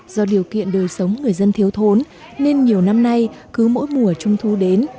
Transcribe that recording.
do điều kiện đời sống người dân thiếu thốn nên nhiều năm nay cứ mỗi mùa trung thu đến